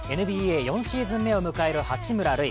ＮＢＡ４シーズン目を迎える八村塁。